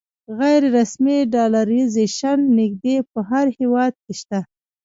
غیر رسمي ډالرایزیشن نږدې په هر هېواد کې شته.